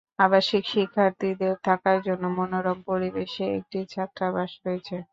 আবাসিক শিক্ষার্থীদের থাকার জন্য মনোরম পরিবেশে একটি ছাত্রাবাস রয়েছে।